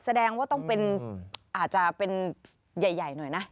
แสดงว่าต้องเป็นอาจจะเป็นใหญ่หน่อยนะ